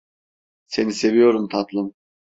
Seni seviyorum tatlım.